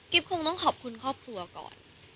คงต้องขอบคุณครอบครัวก่อน